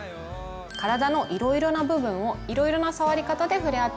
体のいろいろな部分をいろいろな触り方でふれあってみましょう。